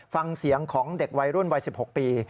ฟังเสียงของเด็กวัยรุ่นวัย๑๖ปี